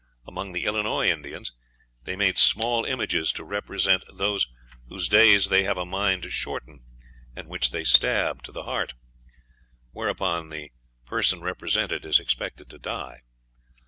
Among the Illinois Indians "they made small images to represent those whose days they have a mind to shorten, and which they stab to the heart," whereupon the person represented is expected to die.